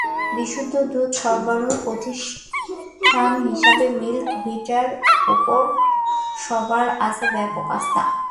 বিশুদ্ধ দুধ সরবরাহের প্রতিষ্ঠান হিসেবে মিল্ক ভিটার ওপর সবার আছে ব্যাপক আস্থা।